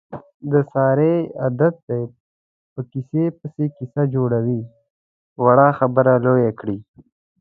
د سارې عادت دی، په قیصه پسې قیصه جوړوي. وړه خبره لویه کړي.